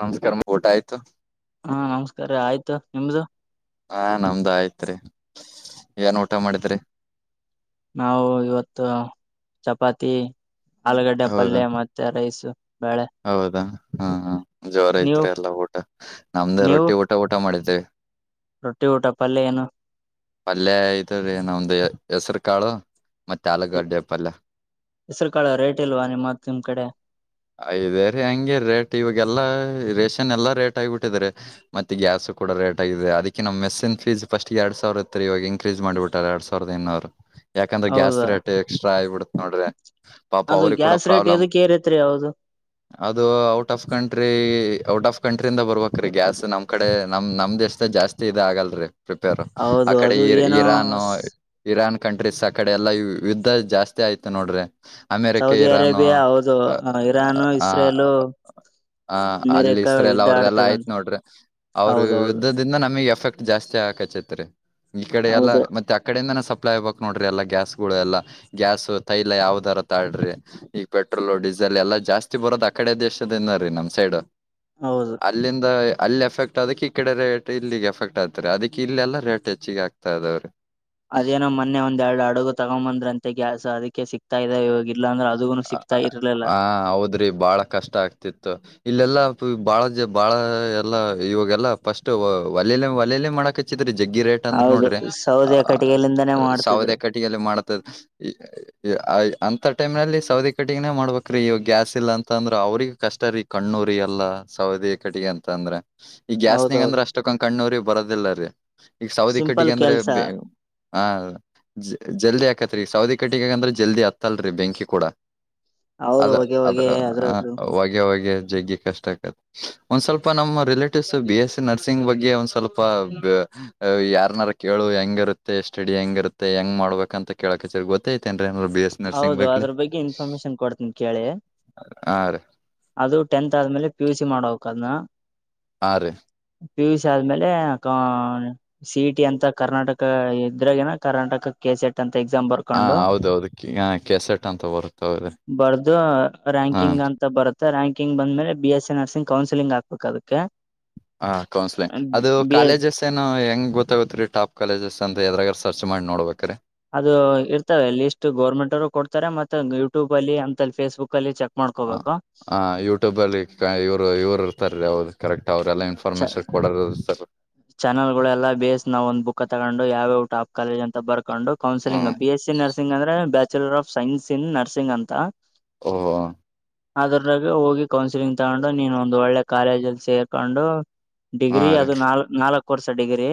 ನಮಸ್ಕಾರ ಊಟ ಆಯ್ತು ಹಾ ನಮಸ್ಕಾರ ಆಯ್ತು ನಿಮ್ದು ಹಾ ನಮ್ದ ಆಯತ್ರಿ ಏನ್ ಊಟ ಮಾಡಿದ್ರಿ ನಾವು ಇವತ್ತು ಚಪಾತಿ ಆಲೂಗಡ್ಡೆ ಹೌದಾ ಪಲ್ಯ ಮತ್ತೆ ರೈಸ್ ಬೇಳೆ ಹೌದಾ ಹಾ ಹ್ಮ ಜೋರ ನೀವು ಐತ್ರಿ ಎಲ್ಲ ಊಟ ನಮ್ದೇ ನೀವು ರೊಟ್ಟಿ ಊಟ ಊಟ ಮಾಡಿದ್ [unintelligible] ರೊಟ್ಟಿ ಊಟ ಪಲ್ಲ ಏನು ಪಲ್ಯ ಇದ್ರೀ ನಮ್ದ ಹೆಸರು ಕಾಳು ಮತ್ತೆ ಆಲಗಡ್ಡೆ ಪಲ್ಯ ಹೆಸರು ಕಾಳ ರೇಟ್ ಇಲ್ವಾ ನಿಮ್ಮತ್ ನಿಮ್ ಕಡೆ ಐದೇರಿೀ ಹಂಗೆ ರೇಟ್ ಇವಾಗಲ್ಲಾ ರೇಷನ್ ರೇಟ್ ಆಗಿಬಿಟ್ಟಿದಿದ್ದಾರೆ ಮತ್ತ ಗ್ಯಸ್ು ಕೂಡ ರೇಟ್ ಆಗಿದೆ ಅದಕ್ಕೆ ನಮ್ಮ ಮೆಸ್ಸಿನ ಫೀಸ್ ಫಸ್ಟ್ ಎರಡ್ ಸಾವಿರ ಇವಾಗ ಇನ್ಕ್ರೆಜ್ ಮಾಡಿಬಿಟ್ಟಾರೆ ಎರಡ್ ಸಾವಿರದ ಇನ್ನೂರು ಯಾಕಂದ್ರೆ ಗ್ಯಾಸ್ ಹೌದಾ ರೇಟ್ ಎಕ್ಸ್ಟ್ರಾ ಆಗಿಬಿಡುತ್ತತ್ ನೋಡ್ರಿ ಪಾಪ ಅದು ಅವ್ರ ಕೂಡ ಗ್ಯಾಸ್ ರೇಟ್ ಪ್ರಾಬ್ಲಮ ಎದಕ್ ಏರೈತ್ರಿ ಹೌದು ಅದು out of country out of ಕಂಟ್ರಿಯಿಂದ ಬರ್ಬೇಕ್ರೀ ಗ್ಯಾಸ್ ನಮ್ ಕಡೆ ನಮ್ ನಮ್ ದೇಶದ ಜಾಸ್ತಿ ಇದ ಆಗಲ್ರಿ ಪ್ರಿಪೇರ್ ಆ ಹೌದು ಕಡೆ ಅದು ಇ ಏನೋ ಇರಾನ್ ಇರಾನ್ ಕಂಟ್ರೀಸ್ ಆಕಡೆ ಎಲ್ಲಾ ಯುದ್ಧ ಜಾಸ್ತಿ ಆಯ್ತು ನೋಡ್ರಿ ಅಮೇರಿಕೆ ಸೌದಿ ಇರಾನ್ ಅರೇಬಿಯಾ ಹೌದು ಇರಾನು ಆ ಇಸ್ರೇಲು ಹ ಅಲ್ಲಿ ಅಮೇರಿಕ ಇಸರೆ ಎಲ್ಲ ಯುದ್ಧ ಅವ್ರ್ದೆಲ್ಲಾ ಆಯ್ತ್ ಆಡ್ತದಂತ ನೋಡ್ರಿ ಅವ್ರ ಹೌದೌದು ಯುದ್ಧದಿಂದ ನಮಗ್ ಎಫ ಎಫೆಕ್ಟ್ ಜಾಸ್ತಿ ಆಕ ಚಿತ್ರ ಈ ಕಡೆ ಎಲ್ಲಾ ಹೌದು ಮತ್ತೆ ಆಡೆಯಿಂದ ಪ್ಲೈ ಹಕ್ ನೋಡ್ರಿ ಎಲ್ಲಾ ಗ್ಯಾಸ್ ಗಳು ಎಲ್ಲ ಗ್ಯಾಸ್ ತೈಲ ಯಾವದರ ತಡ್ರಿ ಈಗ ಪೆಟ್ರೋಲ್ ಡೀಸೆಲ್ ಎಲ್ಲಾ ಜಾಸ್ತಿ ಬರೋದ ಆ ಕಡೆ ದೇಶದನ ರೀ ನಮ ಸೈಡ್ ಹೌದು ಅಲ್ಲಿಂದ ಅಲ್ಲಿ ಎಫೆಕ್ಟ್ ಅದಕ್ಕೆ ಈ ಕಡೆ ರೇಟ್ ಇಲ್ಲಿಗೆ ಎಫೆಕ್ಟ್ ಆಗ್ತಾರೆ ಅದಕ್ಕೆ ಇಲ್ಲೆಲ್ಲ ರೇಟ್ ಹೆಚ್ಚಿಗೆ ಆಗ್ತಾ ಇದದವ್ರರಿ ಅದೇನೋ ಮೊನ್ನೆ ಒಂದ್ೆರಡು ಅಡುಗು ತಗೊಂಡ್ಂಬಂದ್ರಂತೆ ಗ್ಯಾಸ್ ಅದಕ್ಕೆ ಸಿಕ್ತಾ ಇದ ಹೋಗ ಹ ಹೌದ್ರಿ ಬಾಳ ಕಷ್ಟ ಆಗ್ತಿತ್ತು ಇಲ್ಲೆಲ್ಲಾ ಬಾಳ ಬಾಳ ಎಲ್ಲಾ ಇವಾಗೆಲ್ಲ ಫಸ್ಟ್ ಒಲೆಲಿ ಒಲಲ್ಲ ಮಾಡಕ ಚಿ ಜಗ್ಗಿ ರೇಟ್ ಅಂದ್ರೆ ಹೌದು ನೋಡ್ರಿ ಅ ಸೌದೆ ಕಟ್ಟಿಗೆಲಿಂದಾನೇ ಸಾವದ ಮಾಡ್ತಿದ್ರು ಕಟ್ಟಿಗೆಲ್ಲಿ ಮಾಡತದ ಅಂತ ಟೈಮ್ ನಲ್ಲಿ ಸೌದಿ ಕಟ್ಟಗನೇ ಮಾಡ್ಬೇಕ್ರೀ ಗ್ಯಾಸ್ ಇಲ್ಲ ಅಂತ ಅಂದ್ರ ಅವ್ರಗ ಕಷ್ಟ ರೀ ಕಣ್ಣುರಿ ಎಲ್ಲ ಸೌದಿ ಕಟ್ಟಿಗೆ ಎಂತ ಅಂದ್ರೆ ಈ ಗ್ಯಾಸ್ನಗ ಹೌದೌದು ಅಂದ್ರೆ ಅಷ್ಟೊಕ್ಕ ಕಣ್ಣೂರಿ ಬರೋದಿಲ್ಲ ರೀ ಈಗ ಸೌದಿ ಸಿಂಪಲ್ ಕಟ್ಟಿಗೆ ಅಂದ್ರೆ ಕೆಲ್ಸ ಹ ಜಲ್ದಿ ಆಾಕತ್ತ ೀ ಸೌದಿ ಕಟ್ಟಿಗ ಅಂದ್ರೆ ಜಲ್ದಿ ಅತ್ತತಲ್ರಿ ಬೆಂಕಿ ಕೂಡ ಅತ್ತಲ್ರಿ ಹೌದು ಅದ ಹೊಗೆ ಅದ್ರ ಹೊಗೆ ಅದ್ರಗ ಹೊೆ ಹೊಗೆ ಜಗೆ ಕಷ್ಟ ಆ ಒಂದ್ ಸ್ವಲ್ಪ ನಮ್ಮ relatives B S C nursing ಬಗ್ಗೆ ಒಂದ್ ಸ್ವಲ್ಪ ಅ ಯಾರನಾರ ಕೇಳು ಹೆಂಗಿರುತ್ತೆ ಸ್ಟಡಿ ಹೆಂಗಿರುತ್ತೆ ಹೆಂಗ್ ಮಾಡ್ಬೇಕಂತ ಕೇಳಕ್ಚರ್ ಗೊತ್ತೈತೆೇನ್ ನರು ಬಿ ಎಸ್ ನರ್ಸಿಂಗ್ ಬಗ್ಲೆ ಪರ್ಮಿಷನ್ ಕೊಡ್ತೀನಿ ಕೇಳಿ ಹಾ ರೀ ಅದು ತ್ ಆದೇಲೆ ಪ ಮಾಡದನ್ನ ಹಾ ರೀ ಪಿಯುಸಿ ಆದ್ಮೇಲೆ ಸಿ ಟಿ ಅಂತ ಕರ್ನಾಟಕ ಇದ್ರಾಗನ ಕರ್ನಾಟಕ ಕೆ ಸಿ ಎಟ್ ಅಂತ ಎಕ್ಸಾಮ್ ಬರ್ಕೊಂಡು ಈಗ ಕೆಸೆಟ್ ಅಂತ ಬರುತದ್ರೆ ಬರ್ದು ರಾಂಕಿಂಗ್ ಅಂತ ಬರುತ್ತೆ ರ್ಯಾಂಕಿಂಗ್ ಬಂದ ಮೇಲೆ ಬಿ ಎಸ್ ನರ್ಸಿಂಗ್ ಕೌನ್ಸಲಿಂಗ್ ಹಾಕಬೇಕು ಅದಕ್ಕೆ ಹ ಕೌನ್ಸ್ಲಿಂಗ್ ಅದು ಬಿ ಎಸ್ ಕಾಲೇಜಸ್ ಏನು ಹೆಂಗ್ ಗೊತ್ತಾಗುತ್ತೆ ರೀ ಟಾಪ್ ಕಾಲೇಜಸ್ ಅ ಎದರಾಗರ್ ಸರ್ಚ್ ಮಾಡಿ ನೋಡ್ಬೇಕ್ರೀ ಅದು ಇರ್ತವೆಲ್ಲಿ ಇಷ್ಟು ಗೋರ್ಮೆಂಟ್ರು ಕೊಡ್ತಾರೆ ಮತ್ತೆ ಯೂಟ್ಯೂಬ್ ಅಲ್ಲಿ ಅಂತಲ್ಲಿ ಫೇಸ್ಬುಕ್ ಅಲ್ಲಿ ಚಕ್ ಹ ಹ ಯೂಟ್ಯೂಬ್ ಅಲ್ಲಿ ಇವ್ರು ಇವರು ಇರ್ತಾರ ಹೌದು ಕರೆಕ್ಟ್ ಅವ್ರೆಲ್ಲಾ ಚ ಇನ್ಫಾರ್ಮೇಶನ್ ಕೊಡೋರು ಇರ್ತಾರ ಚಾನಲ್ ಗಳೆಲ್ಲ ಬೇಸ್ ನಾವ ಒಂದ್ ಬುಕ್ ತಗೊಂಡು ಯಾವ್ಯ ಟಾಪ್ ಕಾಲೇಜ ಅಂತ ಬರ್ಕೊಂಡು ಹ್ಮ counselling B S nursing ಅಂದ್ರೆ bachelor of science in nursing ಅಂತ ಓಹೋ ಅದರಾಗ ಹೋಗಿ ಕೌನ್ಸಿಲಿಂಗ್ ತಗೊಂಡು ನೀನು ಒಂದು ಒಳ್ಳೆ ಕಾಲೇಜಲ್ಲಿ ಸೇರ್ಕೊಂಡು ಹಾ ಡಿಗ್ರಿ ರೀ ಅದು ನಾಲ್ ನಾಲ್ಕು ವರ್ಷ ಡಿಗ್ರಿ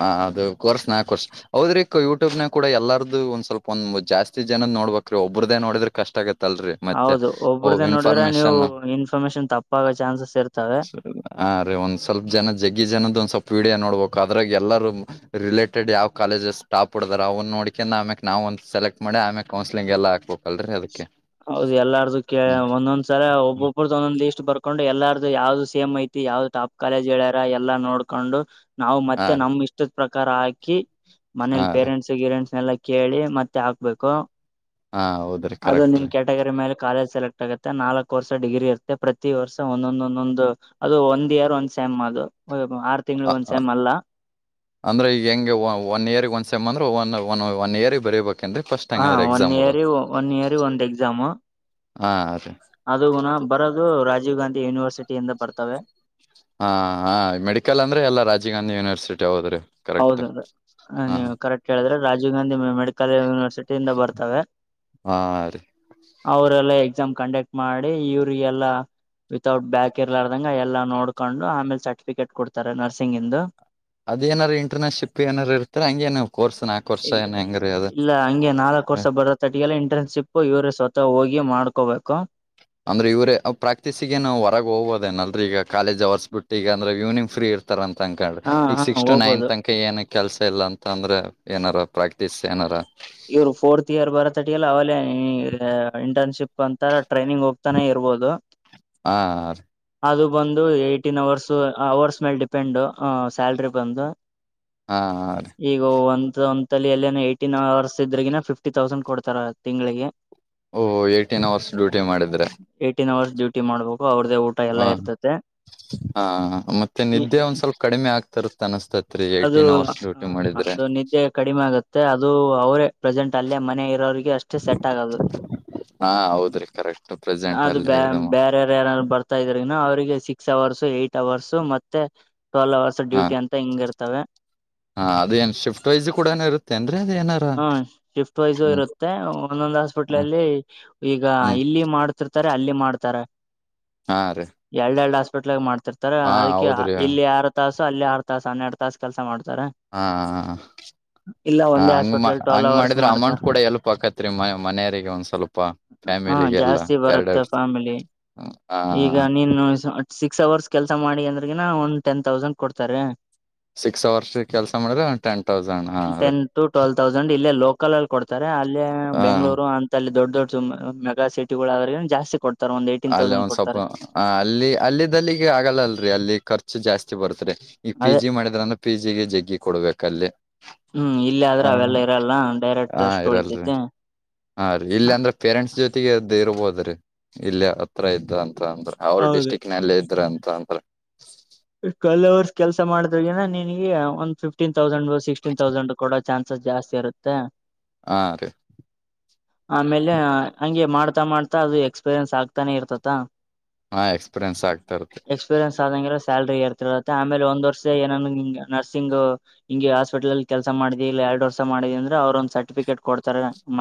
ಹ ಅದು ಕೋರ್ಸ್ ನಾ ಕೋರ್ಸ್ ಹೌದ್ರಿ ಯೂಟ್ಯೂಬ್ನ ಕೂಡ ಎಲ್ಲಾರದ್ದ ಒಂದ್ ಸ್ವಲ್ಪ ಒಂದ್ ಜಾಸ್ತಿ ಜನ ನೋಡ್ಬೇಕ್ರೀ ಒಬದೇ ನೋಡ್ರ ಕಷ್ಟ ಆಗೆ ಲ್ರಿ ಮತ್ತೆ ಹೌದು ಒಬ್ಬ್ರ್ದೇ ನೋಡಿದ್ರೆ ನೀವು ಇನ್ಫಾರ್ಮೇಶನ್ ಇನ್ಫಾರ್ಮೇಶನ್ ತಪ್ಪಾಗೋ ಚಾನ್ಸಸ್ ಇರ್ತವೆ. ಹಾ ರೀ ಒಂದ್ ಸ್ವಲ್ ಜಗ್ಗಿ ಜನದ ಒಂದ ಸ್ಲ್ಪ ವಡಿಯೋಡ್ಬೇಕು ಅದ್ರಾಗ ಎಲ್ಲರೂ ರಿಲೇಟೆಡ್ ಯಾವ್ ಕಾಲೇಜಸ್ ಟಾಪ್ ಹೊಡದಾರ ಅವನ್ನ ನೋಡಕಿಂದ ಆಮ್ಯಕ್ ನಾವವು ಒಂದ್ ಸೆಲೆಕ್ಟ್ ಮಾಡಿ ಆಮ ಕೌನ್ಸಲಿಂಗ ಎ ಹಾಕ್ಬೇಕ ಅಲ್ರರಿದಕ್ಕೆ ಹೌದು ಎಲ್ಲಾರ್ದು ಕೇಳ ಒಂದೊಂದ್ಸಲ ಹ್ಮ್ ಒಬ್ಬೊಬ್ಬ್ರ್ದು ಒಂದೊಂದ್ ಇಷ್ಟ್ ಬರ್ ಹಕೊಂಡು ಎಲ್ಲಾರ್ದು ಯಾವ್ದು ಸೇಮ್ ಐತಿ ಯಾವ್ದ್ ಟಾಪ್ ಕಾಲೇಜ್ ಹೇಳ್ಯಾರ ಎಲ್ಲಾ ನೋಡ್ಕೊಂಡು ನಾವು ಹಾ ಮತ್ತೆ ರೀ ನಮ್ ಇಷ್ಟದ ಪ್ರಕಾರ ಹಾಕಿ ಹಾ ಮನೇಲಿ ರೀ ಪೇರೆಂಟ್ಸ್ ಗಿರೆಂಟ್ಸ್ನೆಲ್ಲ ಕೇಳಿ ಮತ್ತೆ ಹಾಕ್ಬೇಕು ಹಾ ಹೌದ್ರಿ ಕರೆಕ್ಟ್ ಟಗರಿ ಮೇಲೆ ಕಾಲೇಜ್ ಸೆಲೆಕ್ಟ್ ಆಗುತ್ತೆ ನಾಕಕ್ ವರ್ ಡಿಗ್ರಿ ಇರುತ್ತೆ ಪ್ರತಿ ವರ್ಷ ಒಂದೊಂದ ಒಂದೊಂದು ಅದು ಒಂದಂದು ಇಯರ್ ಒಂದ ನ್ದು ಹ ಹ ಅಂದ್ರೆ ಈಗ ಹೆಂಗೆ ಒನ್ ಇಯರ್ ಒಂದ್ ಸೆಮಂದ ಒನ್ ಒನ್ ಒನ್ ಇಯರ್ ಬರೀಬೇಕು ಹಾ ಒನ್ ಇಯರಿ ಒನ್ ಇಯರಿ ಒಂದು್ ಎಕ್ಸಾಮು ಹಾ ರೀ ಅದುುಣ ಬರೋದು ರಾಜೀವ್ ಗಾಂಧಿ ಯೂನಿವರ್ಸಿಟಿಿಯಿಂದ ಬರ್ತವೆ ಹಾ ಹಾ ಮೆಡಿಕಲ್ ಅಂದ್ರೆ ಎಲ್ಲಾ ರಾಜೀವ್ ಗಾಂಧಿ ಯೂನಿವರ್ಸಿಟಿ ಹೋದ್ರಿ ಕರೆಕ್ಟ್ ಹ ಹಾ ನೀವು ಕರೆಕ್ಟ್ ಹೇಳಿದ್ರೆ ರಾಜೀವ್ ಗಾಂಧಿ ಮೆಡಿಕಲ್ ಯೂನಿವರ್ಸಿಟಿಿಂದ ಬರ್ತವೆ ಹಾ ರ ಅವ್ರಲ್ಲ ಎಕ್ಸಾಮ್ ಕಂಡಕ್ಟ್ ಮಾಡಿ ಇವ್ರಿಗೆಲ್ಲ ವಿತೌಟ್ ಬ್ಯಾಕ್ ಇರ್ಲಾರ್ದಂಗ ಎಲ್ಲಾ ನೋಡ್ಕೊಂಡು ಆಮೇಲೆ ಸರ್ಟಿಫಿಕೇಟ್ ಕೊಡ್ತಾರೆ ನರ್ಸಿಂಗ್ ಇಂದು ಅದೇನಾರ ಇಟರ್ನ್ಶಿಪ್ ಏನಾರರು ಇರ್ತ ಹಂಗ ಏನ ಇ ಹೆಂಗ್ರೀ ಅದ ಇಲ್ಲ ಹಂಗೆ ನಾಲ್ಕ್ು ವರ್ಷ ಬರ ತಟಿಗೆಲ್ಲ ಇಂಟರ್ನ್ಶಿಪ್ ಇವರು ಸ್ವತ ಹೋಗಿ ಹಗೆ ಮಾಡ್ಕೋಬೇಕು ಅಂದ್ರ ಇವರ ಪ್ರಾಕ್ಟೀಸಿಗೆ ನಾ ಹೊರಗೆ ಹೋಗೋದೇಏಲ್ರಿ ಈಗ ಕಾಲೇಜ್ ಅವರ್ಸ್ ಬಿಟ್ಟ ಈಗಂದ್ರೆ ಈವ್ನಿಂಗ ಫ್ರೀ ಇರ್ತಾರ ಅಂತ ತಕೊಂಡ್ರಿ ಹಾ ಈಗ ಹಾ ಸಿಕ್ಸ್ ಟು ನೈನ್ ಹೋಗ್ಬೋದು ತನಕ ಏನ ಕೆಲ್ಸ ಇಲ್ಲ ಅಂತ ಅಂದ್ರೆ ಏನಾರ ಪ್ರಾಕ್ಟೀಸ್ ಏನಾರ ಇವ್ರು ಫೋರ್ತ್ ಇಯರ್ ಬರತಟಿಗೆಲ್ಲ ಒಂಂತರ ಟ್ರೈನಿಂಗ್ ಹೋಗ್ತಾನೆ ಇರ್ಬೋದು ಹಾ ಅದು ಬಂದು ಏ್ಟೀನ್ ಅವರ್ಸ್ ಅವರ್ಸ್ ಮೇಲೆ ಡಿಪೆಂಡ್ ಸ್ಯಾಲ್ರಿ ಬಂದು ಹಾ ರೀ ಈಗ ಒ ಒಂತಲ್ಲಿ ಎಲ್ಲ ಏ್ಟೀನ್ ಅವರ್ಸ್ ಇದ್ರಗಿನ ಫಿಫ್ಟಿ ತೌಸಂಡ್ ಕೊಡ್ತಾರ ತಿಂಗಳಿಗೆ ಓಹ ಏಟೀನ್ ಅವರ್ಸ್ ಡ್ಯೂಟಿ ಮಾಡಿದ್ರೆ ಏ್ಟೀನ್ ಅವರ್ಸ್ ಡ್ಯೂಟಿ ಮಾಡ್ಬೇಕು ಅವ್ರದೇ ಊಟ ಎಲ್ಲಾ ಹ ಇರ್ತತೆ ಹಾ ಮತ್ತೆ ನಿದ್ದೆ ಒಂದ್ ಸ್ವಲ್ಪ ಕಡಿಮೆ ಆಗ್ತರತ್ತ ಅನಸ್ತತ್ರಿ ಅದು ಏಟೀನ್ ಹ ಅವರ್ಸ್ ಡ್ಯೂಟಿ ಮಾಡಿದ್ರೆ ಅದು ನಿದ್ದೆ ಕಡಿಮೆ ಆಗುತ್ತೆ ಅದು ಅವರೇ ಪ್ರೆಸೆಂಟ್ ಅಲ್ಲೇ ಮನೆ ಇರೋಿಗೆ ಅಷ್ಟೇ ಸೆಟ್ ಆಗದು ಹಾ ಹೌದ್ರಿ ಕರೆಕ್ಟ್ ಪ್ರೆಸೆಂಟ್ ಅದು ಬ ಅಲ್ಲೇ ಇದು ಮಾ- ಬೇರೆಾರ ಯಾರಾರು ಬರ್ತಾ ಇದ್ರನ ಅವ್ರಿಗೆ ಇ ಸಿಕ್ಸ್ ಅವರ್ಸ್ ಏಟ್ ಅವರ್ಸ್ ಮತ್ತೆ ಟ್ವೆಲ್ ಅವರ್ಸ್ ಹಾ ಡ್ಯೂಟಿ ಅಂತ ಹಿಂಗ ಇರ್ತವೆ ಹಾ ಅದೇನ್ ಶಿಫ್ಟ್ ವೈಸ್ ಕೂಡ ಏ ಇರುತ್ತೆ ಅಂದ್ರೆ ಅದ ಏನಾರ ಹ ಶಿಫ್ಟ್ ವೈಸು ಹ್ಮ್ ಇರುತ್ತೆ ಒಂದೊಂದ್ ಹಾಸ್ಪಿಟ್ಲ ಹ್ಮ್ ಅಲ್ಲಿ ಈಗ ಹ್ಮ್ ಇಲ್ಲಿ ಮಾಡ್ತಿರ್ ಅಲ್ಲಿ ಮಾಡ್ತಾರ ಹಾ ರೀ ಎರಡ್ ಎರಡ್ ಹಾಸ್ಪಿಟ್ಲ್ಗ ಮಾಡ್ತಾರೆ ರ್ತ ತರ ಹಾ ಹೌದ್ರಿ ಹಾ ಆಯ್ಕೆಇಲ್ಲಿ ಆರು ತಾಸು ಅಲ್ಲಿ ಆರ್ ತಾಸು ಹನ್ನೆರಡು ತಾಸ್ ಕೆಲಸ ಮಾಡಿ, ಹಾ ಇಲ್ಲ ಒಂದೇ ಹಂಗಮ್ಮ. ಹಾಸ್ಪಿಟ್ಲ್ ಟ್ವೆಲ್ ಹಂಗ್ ಅವರ್ಸ್ ಮಾಡಿದ್ರೆ ಮಾಡತ ಅಮೌಂಟ್ ಕೂಡ ಎಲ್ಪ್ ಆಕೆತ್ರಿ ಹೆಲ್ಪ್ ಮನೆಯರಿಗೆ ಒಂದ್ ಸ್ವಲ್ಪ ಹ ಫ್ಯಾಮಿಲಿಗೆ ಎಲ್ಲ ಜಾಸ್ತಿ ಬರುತ್ತೆ ಎರಡೆರಡು. ಫ್ಯಾಮಿಲಿ ಹ ಈಗ ನೀನು. ಸಿಕ್ಸ್ ಅವರ್ಸ್ ಕೆಲ್ಸ ಮಾಡಿ ಅಂದ್ರ್ ಗನ ಒಂದ್ ಟೆನ್ ತೌಸಂಡ್ ಕೊಡ್ತಾರೆ. ಸಿಕ್ಸ್ ಅವರ್ಸ್ ಕೆಲ್ಸ ಮಾಡಿದ್ರೆ ಟೆನ್ ತೌಸಂಡ್ ಹಾ ರೀ ನ ಇಲ್ಲೇ ಲೋಕಲ್ ಅಲ್ಲಿ ಕೊಡ್ತಾರೆ ಅಲ್ಲೇ ಹ ಬೆಂಗ್ಗಳೂರು ಅಂತ. ದೊಡ್ಡ ದೊಡ್ಡ ಮೆಗ ಸಿಟಿಗಳು ಆದ್ರೆ ಏನು ಜಾಸ್ತಿ ಕೊಡ್ತಾರೆ. ಒಂದ್ ಏಟೀನ್ ಅಲ್ಲ ತೌಸಂಡ್ ಒಂದ್ ಸ್ವಲ್ಪ ಕೊಡ್ತಾರೆ ಆ ಅಲ್ಲಿ ಅಲ್ಲಿದ್ದಲ್ಲಿಗೆ ಆಗಲ್ಲ ಅಲ್ರರಿ ಅಲ್ಲಿ ಖರ್ಚು ಜಾಸ್ತಿ ಬರುತ್ರಿ. ಈ ಪಿ ಅದೇ ಜಿ ಮಾಡಿದ್ರಂದ್ರ ಪಿ ಜಿಗೆ ಜಗ್ಗಿ ಕೊಡ್ಬೇಕಲ್ಲಿ. ಹ್ಮ್ ಇಲ್ಲ ಆದ್ರೆ ಅವೆಲ್ಲ ಇರಲ್ಲ ಡೈರೆಕ್ಟ್ ಅಷ್ಟು ಇರಲ್ರಿ ಉಳಿತಿತಿ. ಹಾ ರೀ ಇಲ್ಲ ಅಂದ್ರೆ ಪೇರೆಂಟ್ಸ್ ಜೊತೆಗೆ ಇದ್ದು ಇರಬೋದು. ಇಲ್ಲಿ ಹತ್ರ ಇದ್ದ ಅಂತ ಅಂದ್ರ ಅವ್ರ ಹೌದು ಡಿಸ್ಟ್ರಿಕ್ ನಲ್ಲಿ ಇದ್ರ ಅಂತ ಅಂದ್ರೆ. ಈ ಕೈಲಾಶ್ ಕೆಲ್ಸ ಮಾಡಿದ್ರಗನ ನಿನಗೆ ಒಂದ್ ಫಿಫ್ಟೀನ್ ತೌಸಂಡ್ ಸಿಕ್ಸ್ಟೀನ್ ತೌಸಂಡ್ ಕೊಡ ಚಾನ್ಸಸ್ ಜಾಸ್ತಿ ಇರುತ್ತೆ. ಹಾ ರೀ ಆಮೇಲೆ ಹಂಗೆ ಮಾಡು. ಮಾಡ್ತಾ ಅದು ಎಕ್ಸ್ಪೀರಿಯನ್ಸ್ ಆಗ್ತಾನೆ ಇರ್ತಾತ. ಹಾ ಎಕ್ಸ್ಪೀರಿಯನ್ಸ್ ಆಗ್ತಾ ಇರುತ್ತೆ. ಸ್ಯಾಲರಿ ಇರ್ತಿರುತ್ತೆ ಆಮೇಲೆ ಒಂದು ವರ್ಷ ಏನನ ಹ ನರ್ಸಿಂಗ್ ಹಿಂಗೆ ಹಾಸ್ಪಿಟಲ್ ಅಲ್ಲಿ ಕೆಲಸ ಮಾಡಿದೆ ಇಲ್ಲ. ಎರಡು ವರ್ಷ ಮಾಡಿದೀನಿ ಅಂದ್ರೆ ಅವ್ರೊಂದು ಸರ್ಟಿಫಿಕೇಟ್ ಕೊಡ್.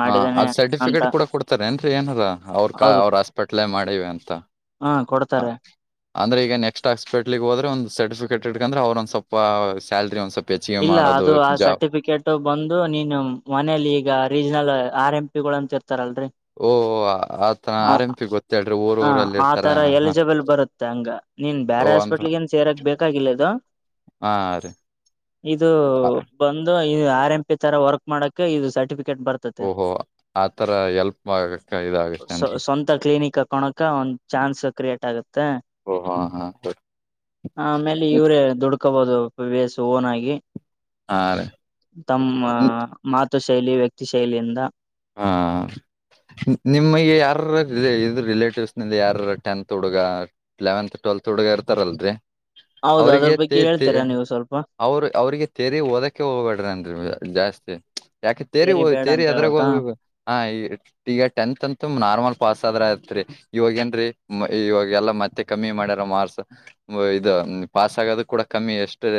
ಹ ಅದ್ ಸರ್ಟಿಫಿಕೇಟ್ ಕೂಡ ಕೊಡ್ತಾರೆ ಏನ್ರೀ ಏನದ ಅವ್ರ ಹೌದು ಹಾಸ್ಪಿಟ್ಲ್ ಮಾಡಿವ ಅಂತ. ಹ ಕೊಡ್ತಾರೆ. ಅ- ಅಂದ್ರೆ ಈಗ ನೆಕ್ಸ್ಟ್ ಹಾಸ್ಪಿಟಲ್ ಹೋದ್ರೆ ಒಂದ್ ಸರ್ಟಫಿಕೇಟ್ಕಂದ್ರ ಅವ್ರ ಒಂದ್ ಸ್ವಲ್ಪ ಸ್ಯಾಲರಿ ಒಂದ್ ಸ್ಲ್ಪ. ಇಲ್ಲ ಅದು ಆ ಸರ್ಟಿಫಿಕೇಟ್ ಬಂದು ನೀನು ಮನೇಲಿ ಈಗ ರೀಜನಲ್. ಆರ್ ಎಂ ಪಿ ಗಳು ಅಂತ ಇರ್ತಾರಲ್ರರಿ. ಓ ಆತನ ಹ ಆರ್ ಎಂ ಪಿ ಗೊತ್ತೇಳ್ರಿ ಊರ್ ಹ ಊರಲ್ಲಿ ಆ ಇರ್ತಾರ ತರ ಹ ಎಲಿಜಿಬಲ್ ಬರುತ್ತೆ ಹಂಗ ನೀ ನೀನ್ ಓ ಬ್ಯಾರೆ ಹಾಸ್ಪಿಟ್ಲ್ ಏನ್ ಸೇರಕ್ ಬೇಕಾಗಿಲ್ಲ ಇದ. ಹಾರೀ ಇದು ಬಂದು ಇ ಆರ್ ಎಂ ಪಿ ತರ ವರ್ಕ್ ಮಾಡಕ ಇದು ಸರ್ಟಿಫ ಕೆ ಬರ್ತತೆ ಓಹೋ ಆತರ ಎಲ್ಪ್ ಆಗಕ್ಕ ಇದಾಗತ್ತೇನ್ರಿ ಸ್ವಂತ ಕ್ಲಿನಿಕ್ ಹಾಕೊಣಕ. ಚಾನ್ಸ್ ಕ್ರಿಯೇಟ್ ಆಗುತ್ತೆ. ಓ ಹಾ ಹಾ ಹೇ ಆಮೇಲೆ ಏ ದುಡುಕು. ಇಕ್ಕಬಹುದು ವೇಸ್ ಓನ್ ಆಗಿ ಹಾ ರೀ ತಮ್ಮ ನಿ- ಮ ತ ಶೈಲಿ ವ್ಯಕ್ತಿ ಶೈಲಿಯಿಂದ. ಹಾ ನಿಮಗೆ ಯಾರ್ ಇದ್ರು ರಿಲೇಟಿವ್ಸ್ ನಲ್ಲಿ ಯಾರ ಟೆಂತ್ ಹುಡುಗ ಲೆವೆಂತ್ ಟ್. ತುಡ್ಗ ಇತಾರಲ್ರಿ ಹೌದು ಅದ್ರ ಅವ್ರಿಗೆ ತೇ ಬಗ್ಗೆ ತೇ ಹೇಳ್ತೀರಾ ನೀವು ಸ್ವಲ್ಪ ಅವರು ಅವ್ರಿಗೆ ತೇರಿ ಓದಕ್ಕೆ ಹೋಗ್ಬೇಡ್ರಿನ್ ಇವಾಗ. ಜಾಸ್ತಿ ಯಾಕೆ ತೇರಿ ಸೇರಿ ಹ ಬೇಡ ತೇರಿ ಅಂತ ಅದ್ರಾಗ ಹೇಳ್ಬೇಕಾ ಹ ಹ ಈ ಈಗ ಟೆಂತ್ ಅಂತು ನಾರ್ಮಲ್ ಪಾಸ್ ಆದ್ರ ಐತ್ರಿ ಇವಾಗೇಏನ್ರೀ ಇವಾಗಲ್ಲ ಮತ್ತೆ ಕಮ್ಮಿ ಮಾಡಾರ ಮಾರ್ಕ್ಸ್ ಇದು ಪಾಸ್ ಆಗೋದು ಕೂಡ ಕಮ್ಮಿ ಎಷ್ಟೇ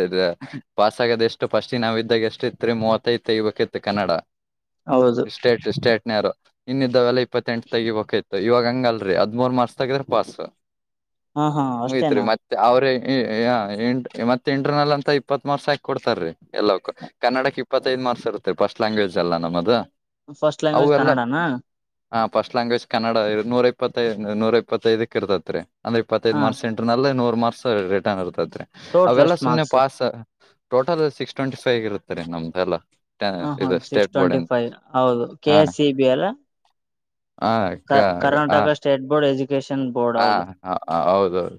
ಪಾಸ್. ತೆಗೆದು ಎಷ್ಟು ಫಸ್ಟಿ ನಾವ್ದಾಗ ಎಷ್ಟಿತ್ ಮೂವತ್ತೈ ತೆಗಿಬೇಕಿತ್ತು ಕನ್ನಡ. ಹೌದು ಸ್ಟೇಟ್ ಸ್ಟೇಟ್ ನವರು ಇನ್ನ ಇದೆವೆಲ್ಲ ಇಪ್ಪತ್ತೆಂಟು ತೆಗಿಬೇಕಿತ್ತು. ಇವಾಗ ಹಂಗ ಅಲ್ರರಿ ಹದಿಮೂರ್ ಮಾರ್ಸ್ ತೆಗಿದ್ರೆ ಪಾಸ್ ಹಾ ಹಾ ಮುಗೀತು ಅಷ್ಟೇನಾ ಮತ್ತೆ ಅವ್ರ. ಮತ್ತೆ ಇಂಟರ್ನಲ್ ಅಂತ ಇಪ್ಪತ್ತ್ರು ಮಾರ್ಕ್ಸ್ ಹಾಕಿ ಕೊಡ್ತಾರೀ ಎಲ್ಲವಕ್ಕೂ ಕನ್ನಡಕ್ ಇಪ್ಪತ್ತೈದು. ಮಾರ್ಕ್ ಇರುತ್ತೆ ಫಸ್ಟ್ ಲಾಂಗ್ವೇಜ್ ಅಲ್ಲವ ನಮ್ಮದು. ಫಸ್ಟ್ ಲಾಂಗ್ವೇಜ್ ಕನ್ನಡನಾ ಹಾ ಫಸ್ಟ್ ಲಾಂಗ್ವೇಜ್ ಕನ್ನಡ ನೂರ ಇಪ್ಪತ್ತೈ ನೂರ ಇಪ್ಪತ್ತೈದಕ್ ಇರ್ತತ್ರಿ. ಒಂದ್ ಇಪ್ಪತೈದು ಹ ಮಾರ್ಕ್ಸ್ ಇಂಟರ್ ನಲ್ಲು ನೂರೂ ಮಾರ್ಸ್ ರಿಟರ್ನ್ ಇರ್ತದೆ. ಟೋಟಲ್ ಅವೆಲ್ಲ ಎಷ್ಟ್ ಸುಮನೆ marks pass total six twenty five ಇರುತ್ತ ರ ನಮ್ದೆಲ್ಲ ಹ ಹಾ ಇದು ಸಿಕ್ಸ್ ಸ್ಟೇಟ್ ಟ್ವೆಂಟಿ ಬೋರ್ಡಿನ ಫೈವ್ ಹೌದು ಕೆ ಎಸ್ ಸಿ ಬಿ ಅಲ್ಲ ಹಕ್ಕ ಕ- Karnataka state board education board ಹ ಹೌದು ಹ ಹೌದೌದು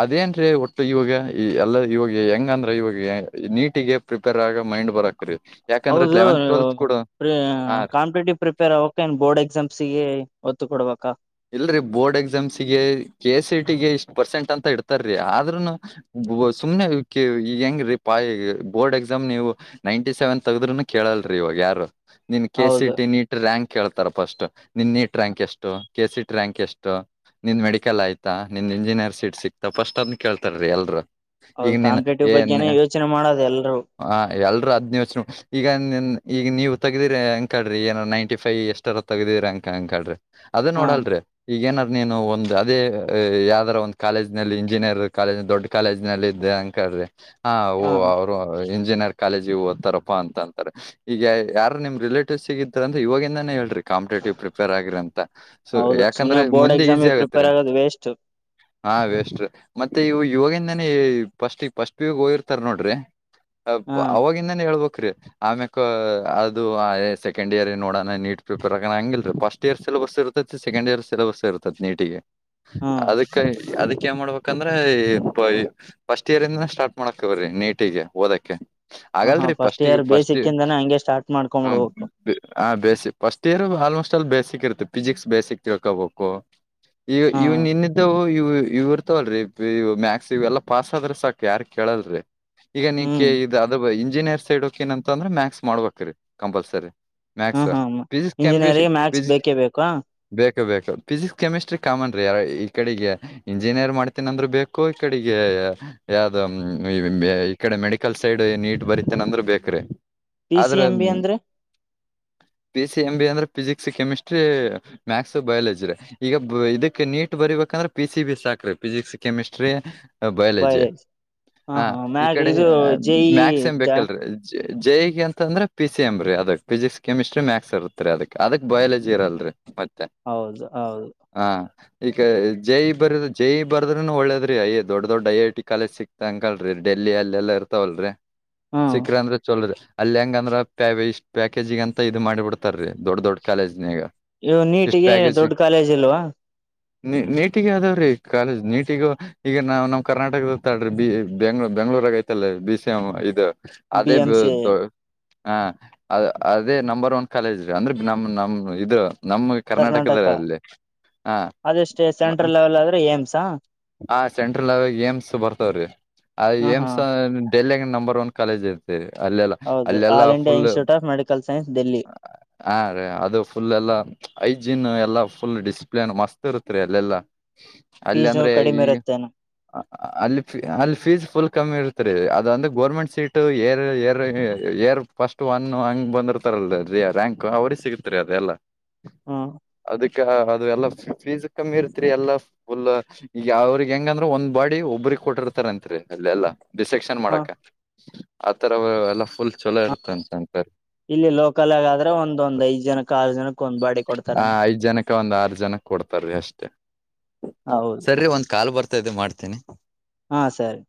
ಅದೇನ್ೀ ಒಟ್ಟು ಇವಾಗ ಎಲ್ಲ ಇವಾಗ ಹೆಂಗ ಅಂದ್ರೆ ಇವಾಗ ನೀಟಿಗೆ ಪ್ರಿಪೇರ್ ಆಗ ಮೈಂಡ್ ಬರಕ್ ಯಾಕಂದ್ರೆ ಹೌದು ಲೆವೆಂತ್ ನೀವು ಟ್ವೆಲ್ತ್ ಕೂಡ ಹಾ ಕಾಂಪಿಟೇಟಿವ್ ಪ್ರಿಪೇರ್ ಅವವಕ್ಕ ಏನ್ ಬೋರ್ಡ್ ಎಕ್ಸಾಮ್ಸಗೆ ಒತ್ತು ಕೊಡ್ಬೇಕ ಇಲ್ರರಿ ಬೋರ್ಡ್ ಎಕ್ಸಾಮ್ಸ್ ಗೆ ಕೆ ಎಸ್ ಸಿ ಟ ಗೆ ಇಷ್ಟ್ ಪರ್ಸೆಂಟ್ ಅಂತ ಇಡ್ತಾರೀ ಆದ್ರೂನು ಸುಮ್ನೆ ಈಗ ಹೆಂಗ ರೀ ಬೋರ್ಡ್ ಎಕ್ಸಾಮ್ ನೀವು ನೈಂಟಿ ಸೆವೆನ್ ತಗದ್ರರುನು ಕೇಳಲ್ ಇವಾಗ ಯಾರು ನಿನ್ ಕೆ ಸಿ ಹೌದು ಟಿ ನೀಟ್ ರ್ಯಾಂಕ್ ಹೇಳ್ತಾರ ಫಸ್ಟ್ ನಿನ್ ನೀಟ್ ರ್ಯಾಂಕ್ ಎಷ್ಟು ಕೆ ಸಿಟ ರ್ಯಾಂಕ್ ಎಷ್ಟು ನಿನ್ ಮೆಡಿಕಲ್ ಆಯ್ತಾ ನಿಂದ ಇಂಜಿನಿಯರ್ ಸೀಟ್ ಸಿಕ್ತಾ ಫಸ್ಟ್ ಅದ್ ಕೇಳ್ತಾರೀ ಎಲ್ರು ಈಗ ಹೌದು ನೀನ್ ಕಾಂಪಿಟೇಟಿವ್ ಏನ್ ಬಗ್ಗೆನೇ ಯೋಚನೆ ಮಾಡೋದು ಎಲ್ರೂ ಹ ಎಲ್ರುೂ ಹದ್ನೇ ವಚ್ ಈಗ ನಿನ್ ಈಗ ನೀವು ತೆಗದ್ರ ಅಂಕಳ್ರಿ ಏನೋ ನೈನ್ಟಿ ಫೈವ್ ಎಷ್ಟರ ತಗಿದಿ್ರಿ ಅಂಕ ಅಂಕಳ್ರಿ ಅದೇ ಹಾ ನೋಡಲ್ರಿೀ ಈಗ ಏನ ನೀನು ಒಂದ್ ಅದೇ ಯಾವ್ದಾರ ಒಂದು ಕಾಲೇಜ್ ನಲ್ಲಿ ಇಂಜಿನಿಯರ್ ಕಾಲೇಜ್ ದೊಡ್ಡ ಕಾಲೇಜ್ ನಲ್ಲಿ ಇದ್ದ ಅಂಕ ಹ ಅವರು ಇಂಜಿನಿಯರ್ ಕಾಲೇಜ್ಿಗೆ ಹ ತಾರಪ್ಪಾ ಅಂತ ಅಂತಾರೆ ಈಗ ಯಾರ ನಿಮ್ ರಿಲೇಟಿವ್ ಸಿಗಿದಾರ ಅ್ರ ಇವಾಗಿಂದಾನೇ ಹೇಳ್ರಿ ಕಾಂಪಿಟೇಟಿವ್ ಪ್ರಿಪೇರ್ ಆಗಿ ಅಂತ ಸೊ ಹೌದು ಸುಮ್ನೆ ಯಾಕಂದ್ರೆ ಬೋರ್ಡ್ ಮುಂದೆ ಈಸಿ ಎಕ್ಸಾಮಿಗೆ ಆಗತ್ರಿ ಪ್ರಿಪೇರ್ ಆಗೋದು ವೇಸ್ಟ್ ಹ ವೇಸ್ ಮತ್ತ ಮತ್ತೆ ಇವ ಇವವಾಗಿಂದಾನ ಫಸ್ಟ್ ಈ ಫಸ್ಟ್ ವಿವಾಗ ಹೋಗಿರ್ತಾರ ನೋಡ್ರಿ ಹಾ ಅವವಾಗಿಂದಾನೇಳ್ಬೇಕಕ್್ರಿ ಆಮ್ಯ ಅದು ಸೆಕೆಂಡ್ ಇಯರ್ ನೋಡಣ ನೀಟ್ ಪೇಪರ್ ಹಾಕ ಹಂಗಲ್ ಫಸ್ಟ್ ಇಯರ್ ಸಿಲೆಬಸ್ ಇರ್ತತಿ ಸೆಕೆಂಡ್ ಇಯರ್ ಸಿಲೆಬಸ್ ಇರ್ತತಿ ನೀಟಿಗೆ ಹಾ ಅದಕ್ಕೆ ಅದಕ್ಕೆ ಏನ್ ಮಾಡ್ಬೇಕಂದ್ರೆ ಫಸ್ಟ್ ಇಯರ್ ಇಂದ ಸ್ಟಾರ್ಟ್ ಮಾಡಕ್ವ್ರೀ ನೀಟಿಗೆ ಓದಕ್ಕೆ ಹ ಹಾ ಆಗಲ್ರಿ ಫಸ್ಟ್ ಫಸ್ಟ್ಿಗೆ ಇಯರ್ ಫಸ್ಟ್ ಬೇಸಿಕ್ ಇಂದಾನೇ ಹಂಗೆ ಸ್ಟಾರ್ಟ್ ಹ್ಮ ಮಾಡ್ಕೊಂಡ್ಬಿಡ್ಬೇಕು ಆ ಬೇಸಿ ಫಸ್ಟ್ ಇಯರ್ ಆಲ್ಮೋಸ್ಟ್ ಅಲ್ಲಿ ಬೇಸಿ ಫಿಸಿಿಕ್ಸ್ ಬೇಸಕ್ ತಿಳ್ಕೋಬೇಕು ಈ ಹಾ ಇವ ನಿನ್ನಿದ್ದ ಇ ಇವ ಇರ್ತವಲ್ರರಿ ಇ ಮ್ಯಾಕ್ಸ್ ಇವೆಲ್ಲಾ ಪಾಸ್ ಆದ್ರ ಸಾಕ ಯಾರ್ ಕೇಳಲ್ರರಿ ಈಗ ನೀ ಕೆ ಹ್ಮ್ ಇ ಅದು ಇಂಜಿನಿಯರ್ ಸೈಡ್ಕ್ ಏನಂತ ಅಂದ್ರೆ ಮ್ಯಾಕ್ಸ್ ಮಾಡ್ಬೇಕ್ರೀ ಕಂಪಲ್ಸರಿ ಹಾ ಮ್ಯಾಕ್ಸ್ ಹಾ ಫಿಸಿಿಕ್ಸ್ ಕೆ ಇಂಜಿನಿಯರಿಂಗ್ ಮ್ಯಾಥ್ಸ್ ಫಕ್ಸ್ ಬೇಕೇ ಬೇಕಾ ಬೇಕ ಬೇಕ ಫಿಸಿಕ್ಸ್ ಕೆಮಿಸ್ಟ್ರಿ ಕಾಮನ್ ರೀ ಯ ಈ ಕಡೆಗೆ ಇಂಜಿನಿಯರ್ ಮಾಡ್ತೀನ ಅಂದ್ರ ಬೇಕು ಈ ಕಡೆಗೆ ಯಾವ್ದ ಈ ಕಡೆ ಮೆಡಿಕಲ್ ಸೈಡ್ ನೀಟ್ ಬರಿತೇನೆ ಅಂದ್ರ ಬೇಕ್ರೀ ಪಿ ಸಿ ಆದ್ರ ಎಂ ಬಿ ಅಂದ್ರೆ ಪ ಸಿ ಎಂ ಬಿ ಅಂದ್ರೆ ಫಿಸಿಕ್ಸ್ ಕೆಮಿಸ್ಟ್ರಿ ಮ್ಯಾಥಸ್ ಬಯಾಲಜಿ ರ ಈಗ ಇದಕ್ಕೆ ನೀಟ್ ಬರಿಬೇಕಂದ್ರೆ ಪಿ ಸಿ ಬಿ ಸಾಕ್ರೀ ಫಿಸಿಕ್ಸ್ ಕೆಮಿಸ್ಟ್ರಿ ಬಯಾಲಜಿ ಬಯ ಹಾ ಹ ಹಾ ಈ ಮ್ಯಾಗ ಕಡೆ ಇದು ಜೈ ಮ್ಯಾಕ್ಸ ಎಮ್ ಜ ಬೇಕಲ್ರೀ ಜೆ ಗೆ ಅಂತಂದ್ರ ಪಿ ಸಿ ಎಮ ರೀ ಅದಕ್ ಫಿಸಿಕ್ಸ್ ಕೆಮಿಸ್ಟ್ರ ಮ್ಯಾಕ್ಸ್ ಇರುತ್ತತ್ರಿ ಅದಕ್ ಅದಕ್ ಬಯಾಲಜಿ ಇರಲ್ರಿ ಮತ್ತೆ ಹೌದು ಹೌದು ಹಾ ಈಗ ಜೈ ಬರ ಜೈ ಬರದ್ರೂನು ಒಳ್ಳೇದ್ರೀ ಯ ದೊಡ್ಡ ದೊಡ್ಡ ಐ ಐ ಟ ಕಾಲೇಜ್ ಸಿಕ್ತಾ ಅಂಗಲ್ೀ ಡೆಲಿ ಇಲ್ಲಿ ಅಲ್ಲೆಲ್ಲಾ ಇರ್ತಾವಲ್ರರಿ ಹ್ಮ್ ಸಿಕ್ಕ್ರ ಅಂದ್ರೆ ಚೊಲರಿ ಅಲ್ಲಿ ಹೆಂಗ ಅಂದ್ರ ಪ್ಯಾ ಇಷ್ಟ್ ಪ್ಯಾಕೇಜಿಗ ಅಂತ ಇದು ಮಾಡಿ ಬಿಿಡ್ತಾರೀ ದೊಡ್ ದೊಡ್ ಕಾಲೇಜ್ನಗ ಇವು ನೀಟಿಗೆ ದೊಡ್ಡ ಕಾಲೇಜ್ ಇಲ್ವಾ ನೀ ನೀಟಗ ಅದಾವ್ರೀ ಕಾಲೇಜ್ ನೀಟಿಗೂ ಈಗ ನಾವವು ನಮ್ ಕರ್ನಾಟಕದಾಡ್ರೀ ಬೆ್ಳ ಬ ಬೆಂಗ್ಳೂರು ಐತಲ್ಲ ಬಿಸಿಮ್ಮ ಇದು ಬಿ ಅದೇ ಎಂ ಸಿ ಹ ಅ ಅದೇ ನಂಬರ್ ಒನ್ ಕಾಲೇಜ ರೀ ಅಂದ್ರೆ ನಮ್ ನಮ್ ಇದು ನಮ್ಮ್ ಕರ್ನಾಟಕ ಕರ್ನಾಟಕಲ್ಲಿ ಹಾ ಅದಷ್ಟೇ ಸೆಂಟ್ರಲ್ ಲೆವೆಲ್ ಆದ್ರೆ ಏಮ್ಸಾ ಆ ಸೆಂಟ್ರಲ್ ಲೆವೆಲ್ ಏಮ್ಸ್ ಬರ್ತವ್ರೀ ಅ ಹ ಹಾ ಏಮ್ಸ್ ಡೆಲ್ಲಿಂಗ ನಂಬರ್ ಒನ್ ಕಾಲೇಜ್ ಇರ್ತ್ತದೆ ಅಲ್ಲೆಲ್ಲ ಹೌದು ಅಲ್ಲೆಲ್ಲ all India full institute of medical science Delhi ಹಾ ರ ಅದು ಫುಲ್ ಐಜಿನ್ ಎಲ್ಲಾ ಫುಲ್ ಡಿಸಿಪ್ಲನ್ ಮಸ್ತ್ ಇರುತ್ತ ರಿ ಅಲ್ಲೆಲ್ಲಾ. ಅಲ್ಲಿ ಫೀಸ್ ಅಂದ್ರೆ ಈ ಕಡಿಮೆ ಇರುತ್ತೇನ ಅಲ್ಲಿ- ಅಲ್ಲಿ ಫೀಸ್ ಫುಲ್ ಕಮ್ಮಿ ಇರ್ತದೆ. ರಿ ಅದಂದ government seat air, air- air first one ಹಂಗ್ ಬಂದಿರ್ತಾರಲ್ರಿ. ರ್ಯಾಂಕ್ ಅವ್ರ ಸಿಗತ್ರಿ ಅದೆಲ್ಲ. ಹ್ಮ ಅದಕ್ಕೆ- ದು ಎಲ್ಲ ಫೀಸ್ ಕಮ್ಮಿ ಇರ್ತರಿ ಎಲ್ಲಾ ಫುಲ್ ಅವ್ರಿಗೆ ಹೆಂಗಂದ್ರೆ ಒಂದ್ ಬಾಡಿ ಒಬ್ರಗ್ ಕೊಟ್ಟಿರ್ತ. ಅಲ್ಲಿ ಎಲ್ಲ ಡಿಸಕ್ಷನ್ ಹ ಮಾಡಕ ಆತರ ಆ ಆ ಹ ಇಲ್ಲಿ ಲೋಕಲ್ ಗಾದ್ರೆ ಒಂದೊಂದ್ ಐದ್ ಜನಕ್ ಆರು ಜನಕ್ ಕೊಂದ್ ಬಾಡಿ ಕೊಡ್ತಾರ ಅಂತ. ಅ ಒಂದ್ ಆರು ಜನ ಕೊಡ್ತಾರೀ ಅಷ್ಟೇ ಹೌದು ಸರಿ ಒಂದ್ ಕಾಲು ಬರ್ತಾ ಇದೆ ಮಾಡ್ತೀನಿ. ಹಾ, ಸರಿ